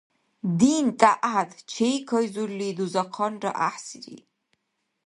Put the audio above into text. Дин-тӀягӀят чекайзурли дузахъанра гӀяхӀсири...